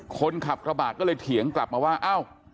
คนขับขบาดก็เลยเถียงกลับมาว่าอ้าว